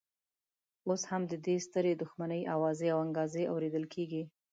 اوس هم د دې سترې دښمنۍ اوازې او انګازې اورېدل کېږي.